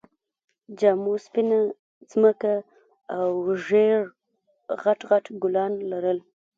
جامو سپينه ځمکه او ژېړ غټ غټ ګلان لرل